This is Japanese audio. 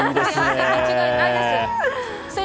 間違いないです。